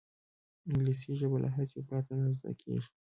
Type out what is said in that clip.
انګلیسي ژبه له هڅې پرته نه زده کېږي